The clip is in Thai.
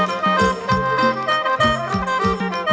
สวัสดีครับสวัสดีครับ